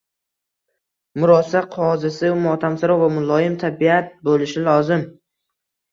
Murosa qozisi motamsaro va muloyim tabiat bo`lishi lozim